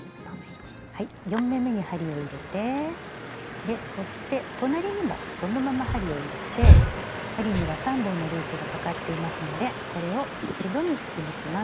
４目めに針を入れてそして隣にもそのまま針を入れて針には３本のループがかかっていますのでこれを一度に引き抜きます。